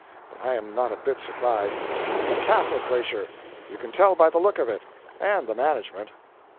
But I am not a bit surprised. It's a Catholic glacier. You can tell by the look of it. And the management."